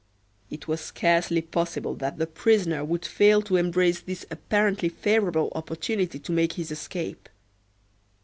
It was scarcely possible that the prisoner would fail to embrace this apparently favorable opportunity to make his escape.